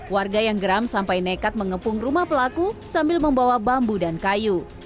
warga yang geram sampai nekat mengepung rumah pelaku sambil membawa bambu dan kayu